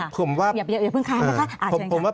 ผมว่าประเด็นสำคัญ